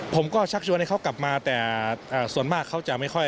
ชักชวนให้เขากลับมาแต่ส่วนมากเขาจะไม่ค่อย